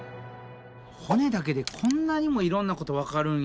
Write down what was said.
骨だけでこんなにもいろんなことわかるんや。